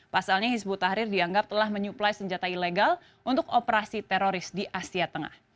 pasalnya hizbut tahrir dianggap telah menyuplai senjata ilegal untuk operasi teroris di asia tengah